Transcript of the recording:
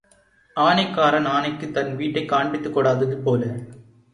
ஆனைக்காரன் ஆனைக்குத் தன் வீட்டைக் காண்பித்துக் கொடாதது போல.